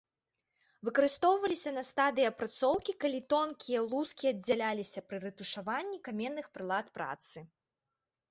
Выкарыстоўваліся на стадыі апрацоўкі, калі тонкія лускі аддзяляліся пры рэтушаванні каменных прылад працы.